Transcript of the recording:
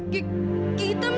kita mesti berbual